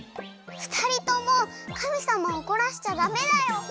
ふたりともかみさまおこらしちゃダメだよ！